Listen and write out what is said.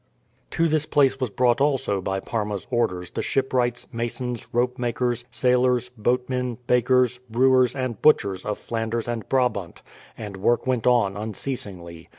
To this place was brought also by Parma's orders the shipwrights, masons, ropemakers, sailors, boatmen, bakers, brewers, and butchers of Flanders and Brabant, and work went on unceasingly.